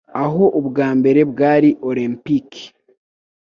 aho ubwa mbere bwari Olympic